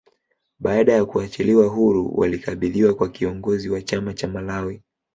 Baada ya kuachiliwa huru walikabidhiwa kwa kiongozi wa chama cha Malawi